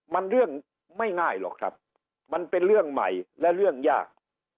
มันเรื่องไม่ง่ายหรอกครับมันเป็นเรื่องใหม่และเรื่องยาก